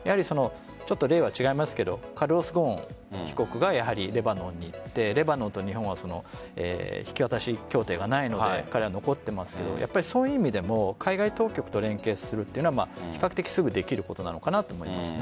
例は違いますがカルロス・ゴーン被告がレバノンに行ってレバノンと日本は引き渡し協定がないので彼は残っていますがそういう意味でも海外当局と連携するというのは比較的すぐできることなのかと思います。